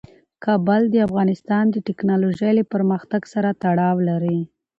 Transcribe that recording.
کابل د افغانستان د تکنالوژۍ له پرمختګ سره تړاو لري.